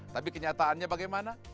tapi kenyataannya bagaimana